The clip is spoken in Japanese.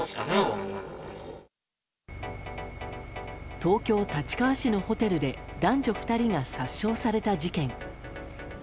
東京・立川市のホテルで男女２人が殺傷された事件。